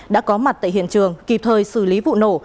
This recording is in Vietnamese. đã có mặt tại hiện trường kịp thời xử lý vụ nổ